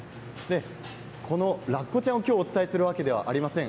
このラッコちゃんを今日お伝えするわけではありません。